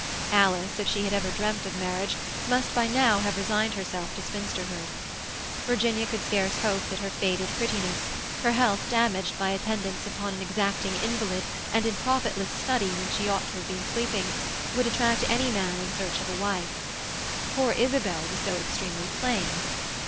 Alice, if she had ever dreamt of marriage, must by now have resigned herself to spinsterhood. Virginia could scarce hope that her faded prettiness, her health damaged by attendance upon an exacting invalid and in profitless study when she ought to have been sleeping, would attract any man in search of a wife. Poor Isabel was so extremely plain.